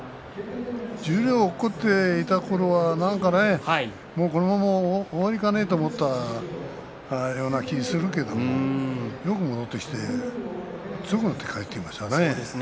十両に落ちていたころはこのまま終わりかなという気がするけれどよく戻ってきて強くなって帰ってきましたね。